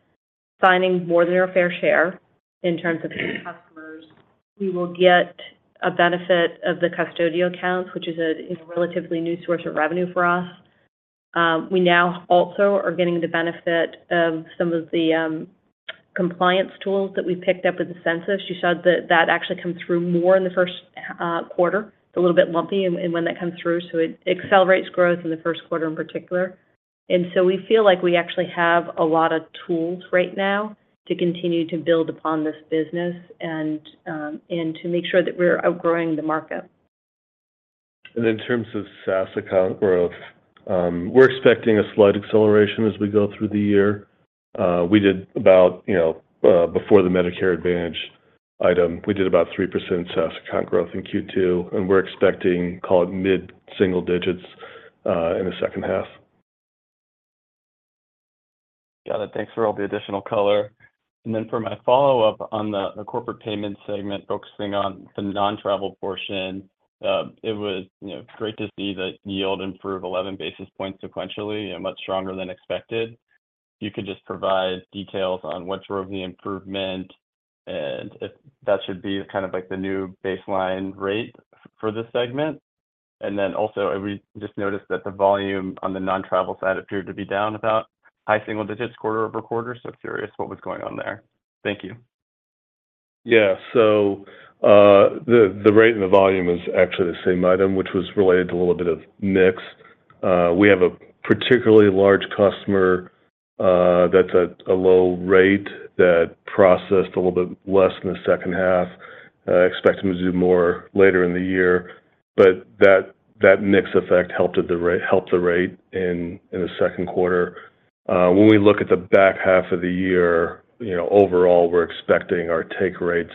signing more than our fair share in terms of new customers. We will get a benefit of the custodial accounts, which is a, you know, relatively new source of revenue for us. We now also are getting the benefit of some of the compliance tools that we picked up with Ascensus. You said that that actually comes through more in the first quarter. It's a little bit lumpy in when that comes through, so it accelerates growth in the first quarter in particular. And so we feel like we actually have a lot of tools right now to continue to build upon this business and to make sure that we're outgrowing the market. In terms of SaaS account growth, we're expecting a slight acceleration as we go through the year. We did about, you know, before the Medicare Advantage item, we did about 3% SaaS account growth in Q2, and we're expecting, call it, mid single digits in the second half. Got it. Thanks for all the additional color. And then for my follow-up on the, the Corporate Payments segment, focusing on the non-travel portion, it was, you know, great to see that yield improve 11 basis points sequentially and much stronger than expected. You could just provide details on what drove the improvement and if that should be kind of, like, the new baseline rate for this segment. And then also, we just noticed that the volume on the non-travel side appeared to be down about high-single-digits quarter-over-quarter, so curious what was going on there. Thank you. Yeah. So, the rate and the volume is actually the same item, which was related to a little bit of mix. We have a particularly large customer, that's at a low rate, that processed a little bit less in the second half. I expect them to do more later in the year, but that mix effect helped with the rate, helped the rate in the second quarter. When we look at the back half of the year, you know, overall, we're expecting our take rates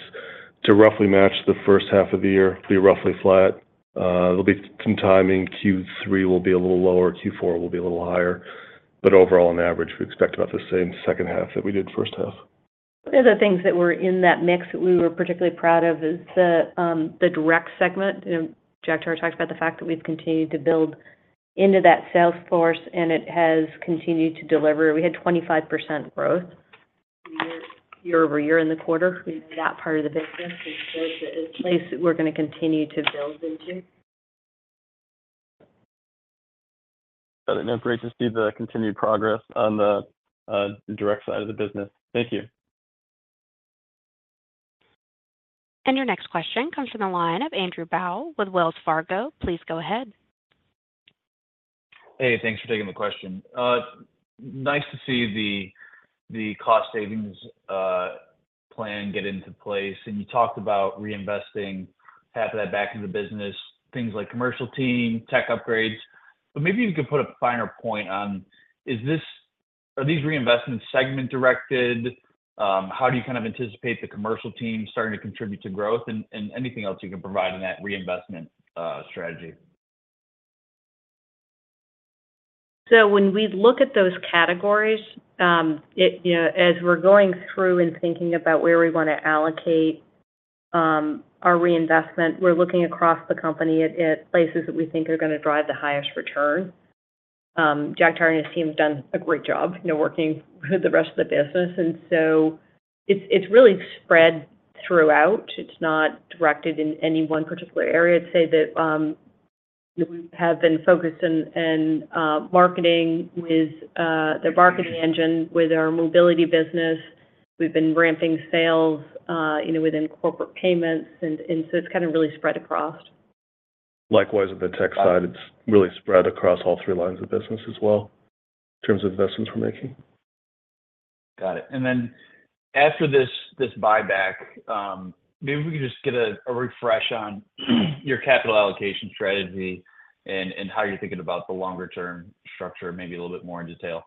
to roughly match the first half of the year, be roughly flat. There'll be some timing. Q3 will be a little lower, Q4 will be a little higher, but overall, on average, we expect about the same second half that we did first half. One of the things that were in that mix that we were particularly proud of is the direct segment. You know, Jagtar talked about the fact that we've continued to build into that sales force, and it has continued to deliver. We had 25% growth year-over-year in the quarter in that part of the business. So it's a place that we're gonna continue to build into. Got it. Great to see the continued progress on the direct side of the business. Thank you. Your next question comes from the line of Andrew Bauch with Wells Fargo. Please go ahead. Hey, thanks for taking the question. Nice to see the cost savings plan get into place. You talked about reinvesting half of that back in the business, things like commercial team, tech upgrades. Maybe you could put a finer point on is this—are these reinvestments segment-directed? How do you kind of anticipate the commercial team starting to contribute to growth and anything else you can provide in that reinvestment strategy? So when we look at those categories, you know, as we're going through and thinking about where we wanna allocate our reinvestment, we're looking across the company at places that we think are gonna drive the highest return. Jagtar and his team have done a great job, you know, working with the rest of the business, and so it's really spread throughout. It's not directed in any one particular area. I'd say that we have been focused in marketing with the marketing engine, with our Mobility business. We've been ramping sales, you know, within Corporate Payments, and so it's kind of really spread across. Likewise, with the tech side, it's really spread across all three lines of business as well, in terms of investments we're making. Got it. And then after this, this buyback, maybe we could just get a refresh on your capital allocation strategy and how you're thinking about the longer-term structure, maybe a little bit more in detail.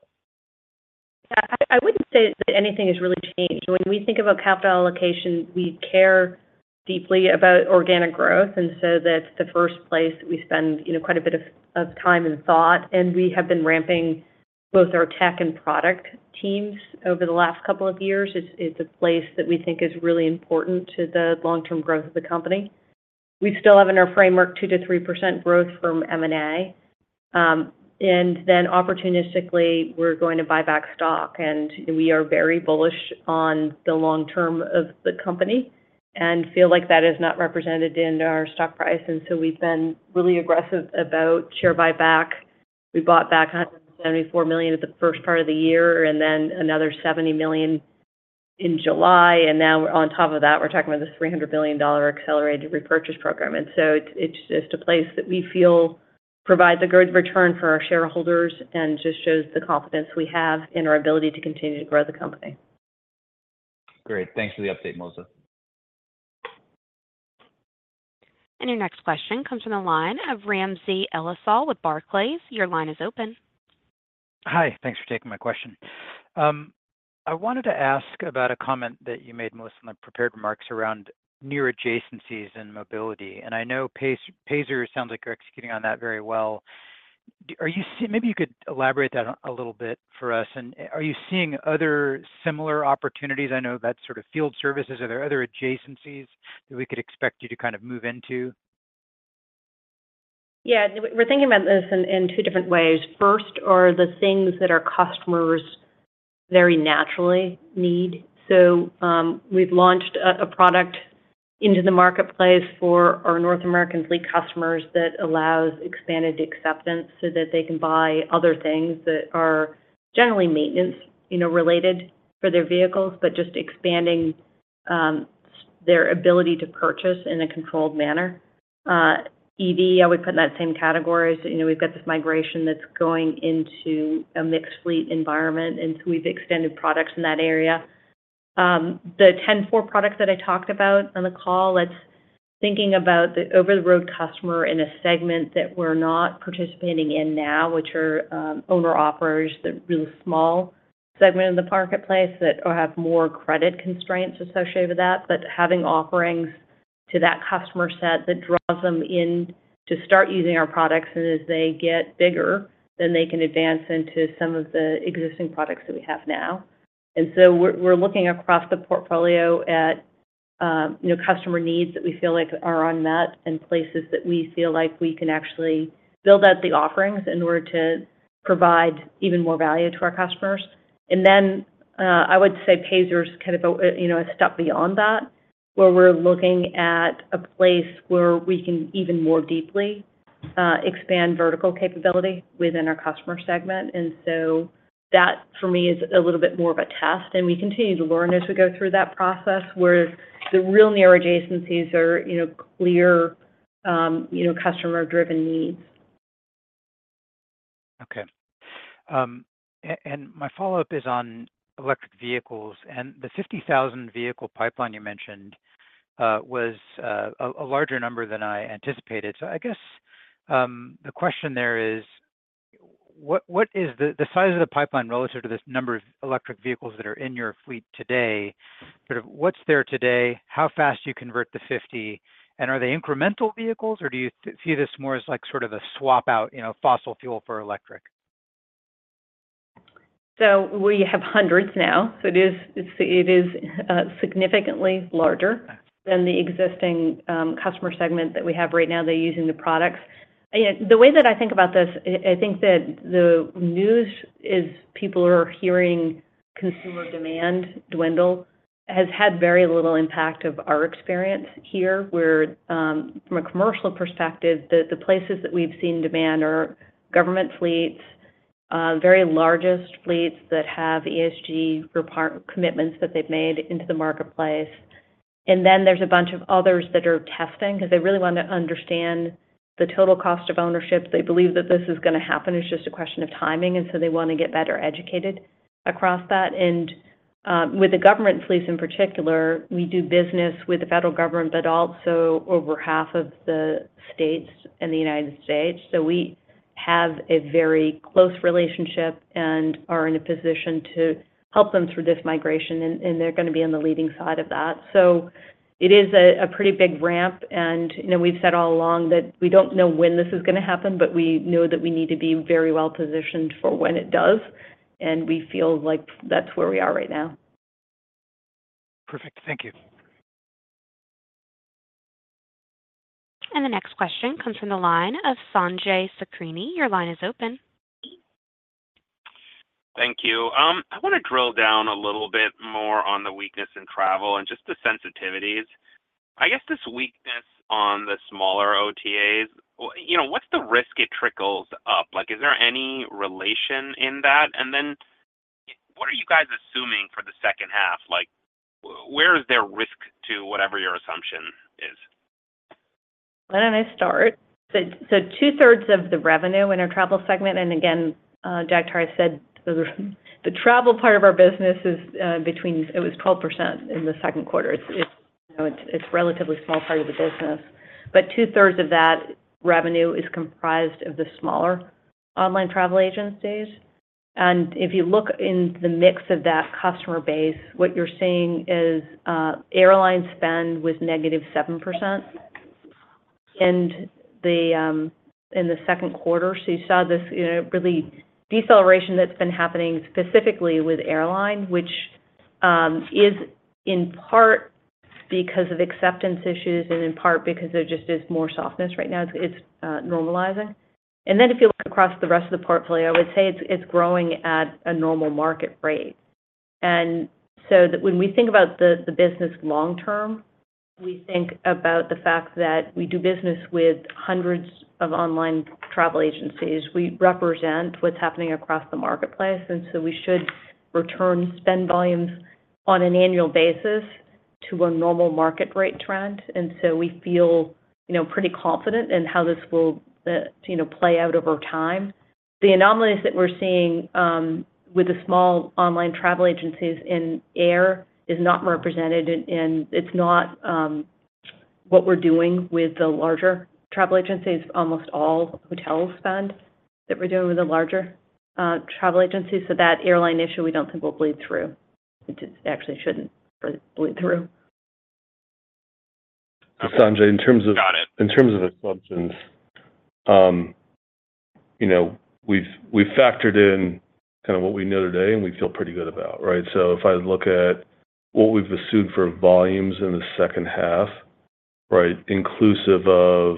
Yeah, I, I wouldn't say that anything has really changed. When we think about capital allocation, we care deeply about organic growth, and so that's the first place that we spend, you know, quite a bit of, of time and thought. And we have been ramping both our tech and product teams over the last couple of years. It's, it's a place that we think is really important to the long-term growth of the company. We still have in our framework 2%-3% growth from M&A. And then opportunistically, we're going to buy back stock, and we are very bullish on the long term of the company and feel like that is not represented in our stock price, and so we've been really aggressive about share buyback. We bought back $174 million at the first part of the year and then another $70 million in July, and now we're, on top of that, we're talking about this $300 million accelerated repurchase program. And so it's, it's just a place that we feel provides a good return for our shareholders and just shows the confidence we have in our ability to continue to grow the company. Great. Thanks for the update, Melissa. Your next question comes from the line of Ramsey El-Assal with Barclays. Your line is open. Hi, thanks for taking my question. I wanted to ask about a comment that you made, Melissa, in the prepared remarks around near adjacencies and Mobility, and I know Payzer sounds like you're executing on that very well. Maybe you could elaborate that on a little bit for us, and are you seeing other similar opportunities? I know that's sort of field services. Are there other adjacencies that we could expect you to kind of move into? Yeah, we're thinking about this in two different ways. First are the things that our customers very naturally need. So, we've launched a product into the marketplace for our North American fleet customers that allows expanded acceptance, so that they can buy other things that are generally maintenance, you know, related for their vehicles, but just expanding their ability to purchase in a controlled manner. EV, I would put in that same category. So, you know, we've got this migration that's going into a mixed fleet environment, and so we've extended products in that area. The 10-4 products that I talked about on the call, it's thinking about the over-the-road customer in a segment that we're not participating in now, which are owner-operators, the really small segment of the marketplace, that have more credit constraints associated with that. But having offerings to that customer set that draws them in to start using our products, and as they get bigger, then they can advance into some of the existing products that we have now. And so we're looking across the portfolio at, you know, customer needs that we feel like are unmet and places that we feel like we can actually build out the offerings in order to provide even more value to our customers. And then, I would say Payzer's kind of a, you know, a step beyond that, where we're looking at a place where we can even more deeply expand vertical capability within our customer segment. And so that, for me, is a little bit more of a test, and we continue to learn as we go through that process, whereas the real near adjacencies are, you know, clear, you know, customer-driven needs. Okay. And my follow-up is on electric vehicles, and the 50,000 vehicle pipeline you mentioned was a larger number than I anticipated. So I guess the question there is: what is the size of the pipeline relative to this number of electric vehicles that are in your fleet today? Sort of what's there today, how fast do you convert to 50, and are they incremental vehicles, or do you see this more as, like, sort of a swap out, you know, fossil fuel for electric? So we have hundreds now, so it is significantly larger than the existing customer segment that we have right now that are using the products. And the way that I think about this, I think that the news is people are hearing consumer demand dwindle has had very little impact on our experience here, where from a commercial perspective, the places that we've seen demand are government fleets, very largest fleets that have ESG report commitments that they've made into the marketplace. And then there's a bunch of others that are testing because they really want to understand the total cost of ownership. They believe that this is gonna happen. It's just a question of timing, and so they want to get better educated across that. With the government fleets in particular, we do business with the federal government, but also over half of the states in the United States. So we have a very close relationship and are in a position to help them through this migration, and they're gonna be on the leading side of that. So it is a pretty big ramp, and, you know, we've said all along that we don't know when this is gonna happen, but we know that we need to be very well-positioned for when it does, and we feel like that's where we are right now. Perfect. Thank you. The next question comes from the line of Sanjay Sakhrani. Your line is open. Thank you. I wanna drill down a little bit more on the weakness in travel and just the sensitivities. I guess this weakness on the smaller OTAs, you know, what's the risk it trickles up? Like, is there any relation in that? And then, what are you guys assuming for the second half? Like, where is there risk to whatever your assumption is? Why don't I start? So 2/3 of the revenue in our travel segment, and again, Jagtar said, the travel part of our business is between. It was 12% in the second quarter. It's, you know, it's relatively small part of the business. But 2/3 of that revenue is comprised of the smaller online travel agencies. And if you look in the mix of that customer base, what you're seeing is airline spend with -7% in the second quarter. So you saw this, you know, really deceleration that's been happening specifically with airline, which is in part because of acceptance issues and in part because there just is more softness right now, it's normalizing. And then if you look across the rest of the portfolio, I would say it's growing at a normal market rate. And so when we think about the business long term, we think about the fact that we do business with hundreds of online travel agencies. We represent what's happening across the marketplace, and so we should return spend volumes on an annual basis to a normal market rate trend. And so we feel, you know, pretty confident in how this will, you know, play out over time. The anomalies that we're seeing with the small online travel agencies in air is not represented in—it's not what we're doing with the larger travel agencies, almost all hotel spend that we're doing with the larger travel agencies. So that airline issue, we don't think will bleed through. It actually shouldn't bleed through. Okay, got it. Sanjay, in terms of, in terms of assumptions, you know, we've factored in kind of what we know today and we feel pretty good about, right? So if I look at what we've assumed for volumes in the second half, right, inclusive of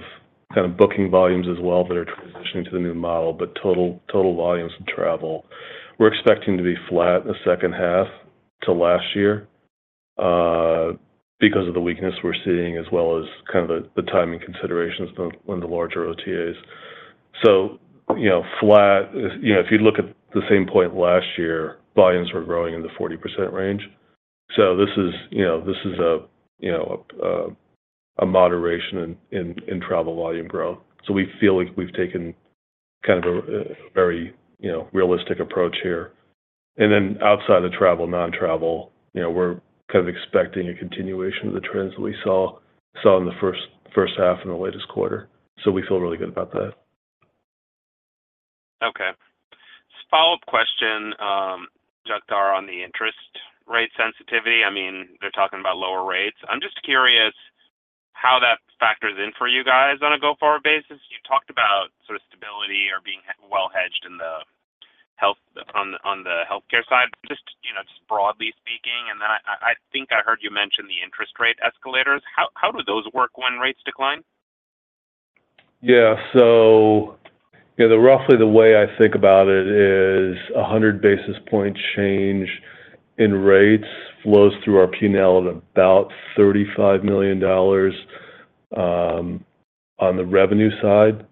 kind of Booking volumes as well, that are transitioning to the new model, but total volumes of travel. We're expecting to be flat in the second half to last year, because of the weakness we're seeing, as well as kind of the timing considerations on the larger OTAs. So, you know, flat, you know, if you look at the same point last year, volumes were growing in the 40% range. So this is, you know, this is a, you know, a moderation in travel volume growth. So we feel like we've taken kind of a very, you know, realistic approach here. And then outside of travel, non-travel, you know, we're kind of expecting a continuation of the trends that we saw in the first half in the latest quarter. So we feel really good about that. Okay. Follow-up question, Jagtar, on the interest rate sensitivity. I mean, they're talking about lower rates. I'm just curious how that factors in for you guys on a go-forward basis. You talked about sort of stability or being well hedged in the health, on the, on the healthcare side, just, you know, just broadly speaking. And then I, I think I heard you mention the interest rate escalators. How, how do those work when rates decline? Yeah. So, you know, roughly the way I think about it is, a 100 basis points change in rates flows through our P&L at about $35 million, on the revenue side.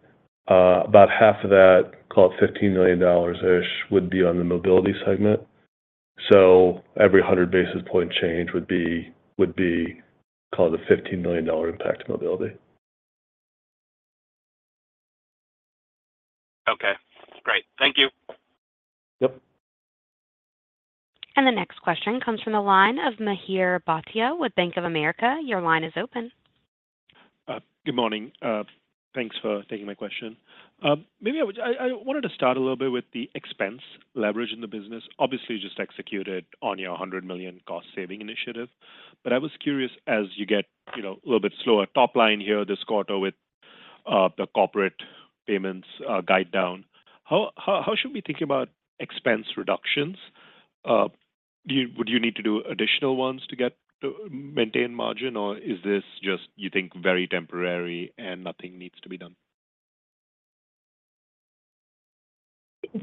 About half of that, call it $15 million-ish, would be on the Mobility segment. So every 100 basis points change would be, would be called a $15 million impact to Mobility. Okay, great. Thank you. Yep. The next question comes from the line of Mihir Bhatia with Bank of America. Your line is open. Good morning. Thanks for taking my question. Maybe I would, I wanted to start a little bit with the expense leverage in the business. Obviously, you just executed on your $100 million cost-saving initiative. But I was curious, as you get, you know, a little bit slower top line here this quarter with the Corporate Payments guide down, how should we think about expense reductions? Do you need to do additional ones to get to maintain margin, or is this just, you think, very temporary and nothing needs to be done?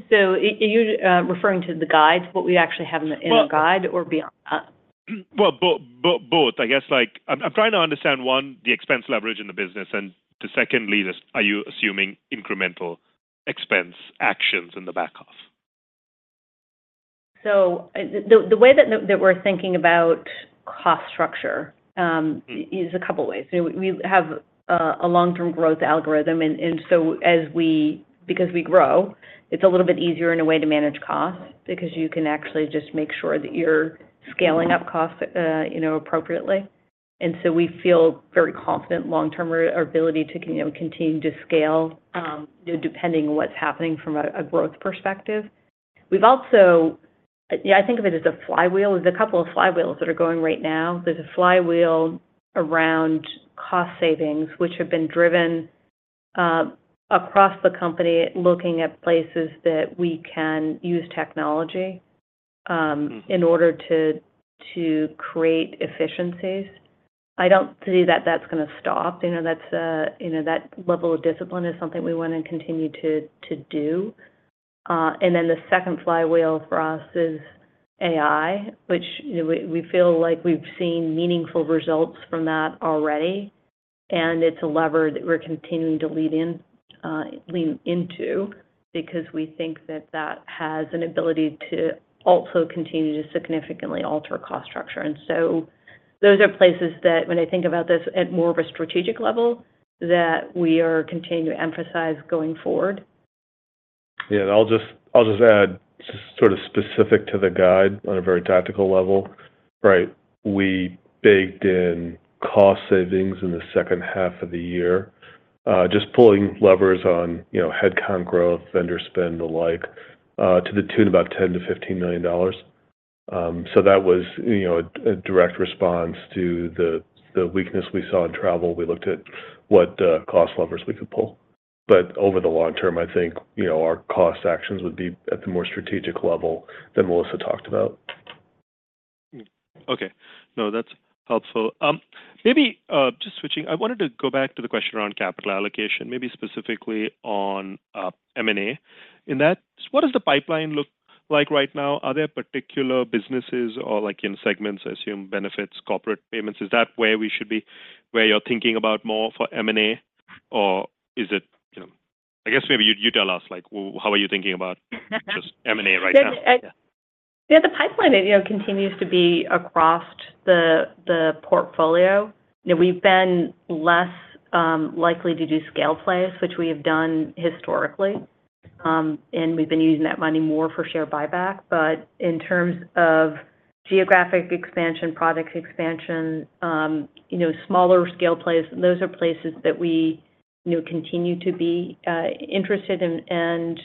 So, are you referring to the guides, what we actually have in our guide or beyond? Well, both. I guess, like, I'm trying to understand, one, the expense leverage in the business, and secondly, are you assuming incremental expense actions in the back half? So the way that we're thinking about cost structure is a couple of ways. We have a long-term growth algorithm, and so because we grow, it's a little bit easier in a way to manage costs, because you can actually just make sure that you're scaling up costs, you know, appropriately. And so we feel very confident long-term our ability to, you know, continue to scale, depending on what's happening from a growth perspective. We've also, yeah, I think of it as a flywheel. There's a couple of flywheels that are going right now. There's a flywheel around cost savings, which have been driven across the company, looking at places that we can use technology. Mm-hmm. in order to, to create efficiencies. I don't see that that's gonna stop. You know, that's a, you know, that level of discipline is something we want to continue to, to do. And then the second flywheel for us is AI, which, you know, we, we feel like we've seen meaningful results from that already and it's a lever that we're continuing to lean in, lean into, because we think that that has an ability to also continue to significantly alter cost structure. And so those are places that when I think about this at more of a strategic level, that we are continuing to emphasize going forward. Yeah, I'll just add sort of specific to the guide on a very tactical level, right? We baked in cost savings in the second half of the year, just pulling levers on, you know, headcount growth, vendor spend, the like, to the tune of about $10 million-$15 million. So that was, you know, a direct response to the weakness we saw in travel. We looked at what cost levers we could pull. But over the long term, I think, you know, our cost actions would be at the more strategic level than Melissa talked about. Okay. No, that's helpful. Maybe just switching, I wanted to go back to the question around capital allocation, maybe specifically on M&A. In that, what does the pipeline look like right now? Are there particular businesses or, like, in segments, I assume Benefits, Corporate Payments, is that where we should be, where you're thinking about more for M&A? Or is it, you know... I guess maybe you, you tell us, like, how are you thinking about just M&A right now? Yeah, the pipeline, you know, continues to be across the portfolio. You know, we've been less likely to do scale plays, which we have done historically. And we've been using that money more for share buyback. But in terms of geographic expansion, product expansion, you know, smaller scale plays, those are places that we, you know, continue to be interested in and,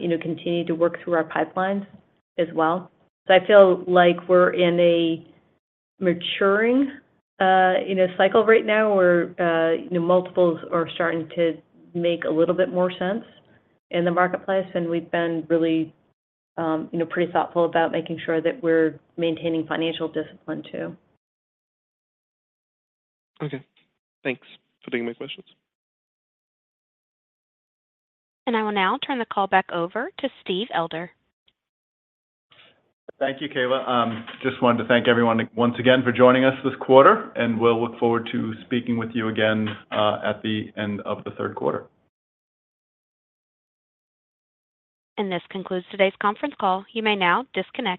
you know, continue to work through our pipelines as well. So I feel like we're in a maturing, you know, cycle right now, where, you know, multiples are starting to make a little bit more sense in the marketplace, and we've been really, you know, pretty thoughtful about making sure that we're maintaining financial discipline, too. Okay. Thanks for taking my questions. I will now turn the call back over to Steve Elder. Thank you, Kayla. Just wanted to thank everyone once again for joining us this quarter, and we'll look forward to speaking with you again, at the end of the third quarter. This concludes today's conference call. You may now disconnect.